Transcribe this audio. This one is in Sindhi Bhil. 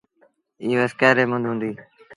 ايٚ وسڪآري ريٚ مند هُݩديٚ۔